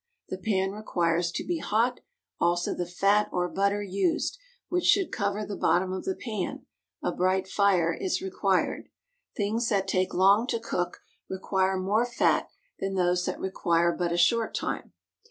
The pan requires to be hot, also the fat or butter used, which should cover the bottom of the pan; a bright fire is required. Things that take long to cook require more fat than those that require but a short time.